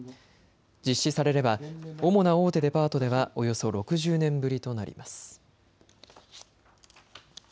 実施されれば主な大手デパートではおよそ６０年ぶりとなります。